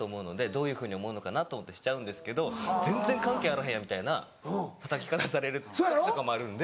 どういうふうに思うのかなと思ってしちゃうんですけど全然関係あらへんやんみたいなたたき方される時とかもあるので。